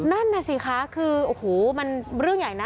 นั่นน่ะสิคะคือโอ้โหมันเรื่องใหญ่นะ